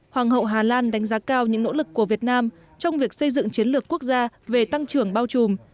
hoàng hậu hà lan đánh giá cao những nỗ lực của việt nam trong việc xây dựng chiến lược quốc gia về tăng trưởng bao trùm